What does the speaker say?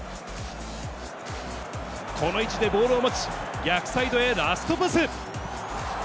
この位置でボールを持ち、逆サイドへラストパス。